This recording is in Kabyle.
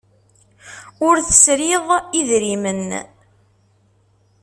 Ur tesriḍ idrimen.